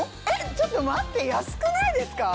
ちょっと待って安くないですか？